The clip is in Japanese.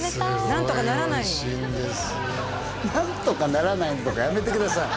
「何とかならないの？」とかやめてください